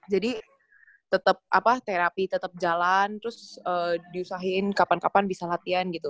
jadi tetap apa terapi tetap jalan terus diusahain kapan kapan bisa latihan gitu